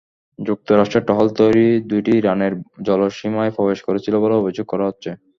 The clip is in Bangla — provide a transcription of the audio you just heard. যুক্তরাষ্ট্রের টহল-তরী দুটি ইরানের জলসীমায় প্রবেশ করেছিল বলে অভিযোগ করা হচ্ছে।